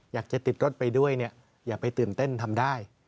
อยากจะติดรถไปด้วยเนี่ยอย่าไปตื่นเต้นทำได้